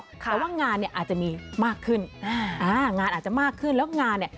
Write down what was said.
แต่ว่างานเนี่ยอาจจะมีมากขึ้นงานอาจจะมากขึ้นแล้วงานเนี่ย